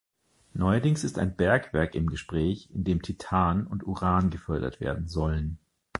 Neuerdings ist ein Bergwerk im Gespräch, in dem Titan und Uran gefördert werden sollen.